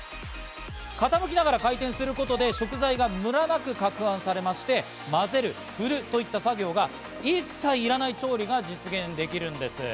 傾きながら回転することで食材がムラなくかくはんされまして、混ぜる、振るなどの作業が一切いらない調理が実現できるんです。